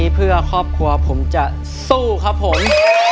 เพื่อครอบครัวผมจะสู้ครับผม